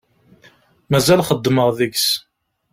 Mazal xeddmeɣ deg-s.